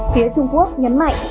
phía trung quốc nhấn mạnh